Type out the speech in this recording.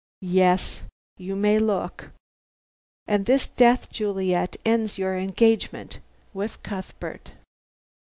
Yes! You may look. And this death, Juliet, ends your engagement with Cuthbert."